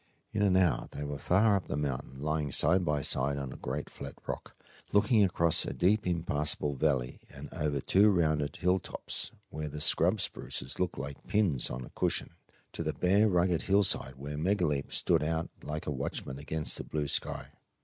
In an hour they were far up the mountain, lying side by side on a great flat rock, looking across a deep impassable valley and over two rounded hilltops, where the scrub spruces looked like pins on a cushion, to the bare, rugged hillside where Megaleep stood out like a watchman against the blue sky.